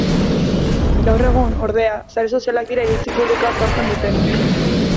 Gaur egun, ordea, sare sozialak dira iritzi publikoa sortzen dutenak.